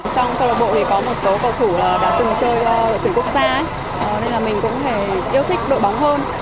trong công lạc bộ thì có một số cầu thủ đã từng chơi ở tỉnh quốc gia nên là mình cũng yêu thích đội bóng hơn